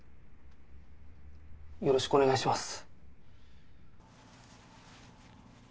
よろしくお願いします。